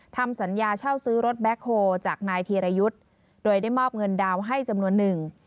ทำสัญญาเช่าซื้อรถแบ็คโฮลจากนายธีรยุทธ์โดยได้มอบเงินดาวน์ให้จำนวนหนึ่ง